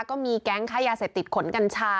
ก็มีแก๊งค้ายาเสพติดขนกัญชา